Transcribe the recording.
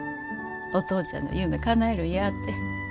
「お父ちゃんの夢かなえるんや」て。